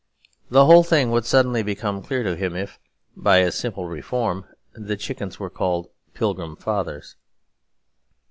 The whole thing would suddenly become clear to him if (by a simple reform) the chickens were called Pilgrim Fathers.